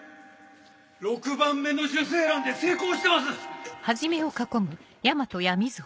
６番目の受精卵で成功してます！